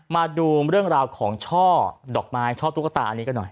มาดูเรื่องราวของช่อดอกไม้ช่อตุ๊กตาอันนี้ก็หน่อย